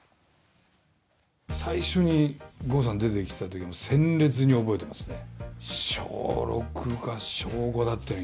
最初に郷さん出てきたときは鮮烈に覚えてますね。